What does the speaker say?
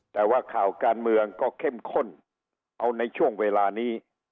แต่ว่าข่าวการเมืองก็เข้มข้นเอาในช่วงเวลานี้